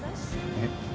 えっ？